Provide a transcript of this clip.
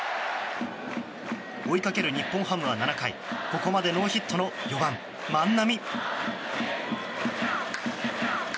追いかける日本ハムは７回ここまでノーヒットの４番万波。